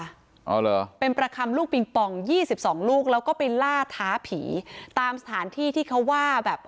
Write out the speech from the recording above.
อ๋อเหรอเป็นประคำลูกปิงปองยี่สิบสองลูกแล้วก็ไปล่าท้าผีตามสถานที่ที่เขาว่าแบบ